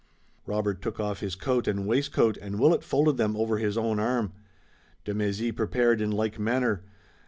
Robert took off his coat and waistcoat and Willet folded them over his own arm. De Mézy prepared in like manner.